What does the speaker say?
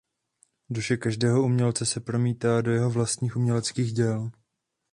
Duše každého umělce se promítá do jeho vlastních uměleckých děl.